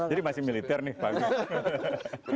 jadi masih militer nih pak agus